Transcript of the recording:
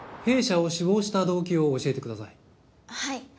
弊社を志望した動機を教えてください。